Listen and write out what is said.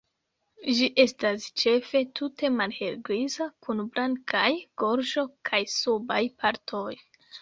Ĝi estas ĉefe tute malhelgriza kun blankaj gorĝo kaj subaj partoj.